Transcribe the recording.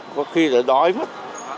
có khi là đói mất